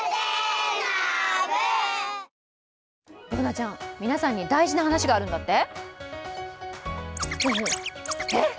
Ｂｏｏｎａちゃん、皆さんに大事な話があるんだって？